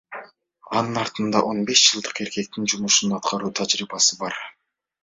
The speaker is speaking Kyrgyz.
Анын артында он беш жылдык эркектин жумушун аткаруу тажрыйбасы бар.